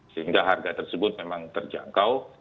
sehingga harga tersebut memang terjangkau